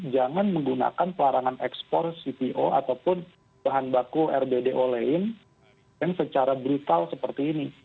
jangan menggunakan pelarangan ekspor cpo ataupun bahan baku rbdo lain yang secara brutal seperti ini